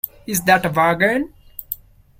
Is that a bargain?